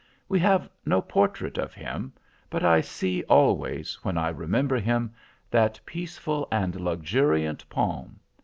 We have no portrait of him, but I see always, when I remember him, that peaceful and luxuriant palm.